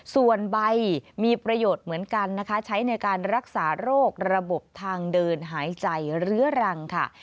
ส่วนใบมีประโยชน์เหมือนกันนะคะใช้ในการรักษาโรคระบบทางเดินหายใจเรื้อรังค่ะ